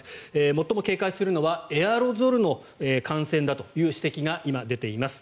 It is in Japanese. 最も警戒するのはエアロゾルの感染だという指摘が今出ています。